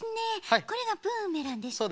これがブーメランですか。